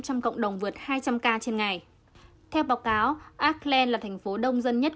trong cộng đồng vượt hai trăm linh ca trên ngày theo báo cáo acland là thành phố đông dân nhất